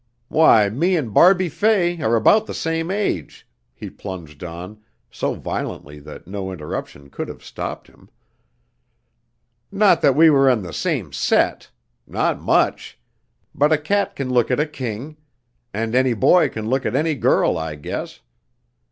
Why, me and Barbie Fay are about the same age," he plunged on, so violently that no interruption could have stopped him. "Not that we were in the same set. Not much! But a cat can look at a king. And any boy can look at any girl, I guess.